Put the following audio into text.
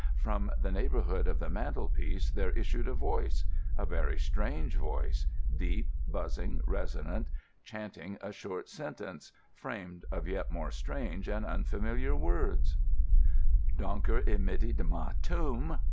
From the neighbourhood of the mantelpiece there issued a voice—a very strange voice, deep, buzzing, resonant, chanting a short sentence, framed of yet more strange and unfamiliar words: "_Donköh e didi mä tūm.